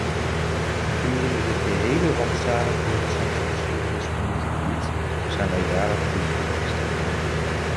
Gedurende de gehele rampzalige recente geschiedenis van dit gebied zijn wij daar actief geweest.